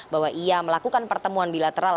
bahwa ia melakukan pertemuan bilateral